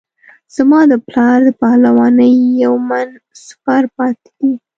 زما د پلار د پهلوانۍ یو من سپر پاته دی.